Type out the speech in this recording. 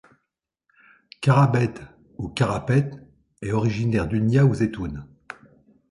Garabed ou Karapet est originaire d’Ulnia ou Zeytoun.